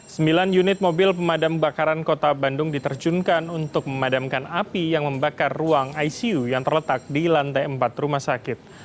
sembilan unit mobil pemadam kebakaran kota bandung diterjunkan untuk memadamkan api yang membakar ruang icu yang terletak di lantai empat rumah sakit